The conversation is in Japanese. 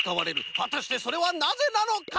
はたしてそれはなぜなのか！？